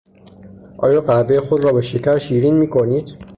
آیا قهوهی خود را با شکر شیرین میکنید؟